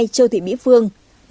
một mươi hai châu thị mỹ phương